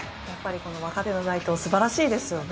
若手の台頭素晴らしいですよね。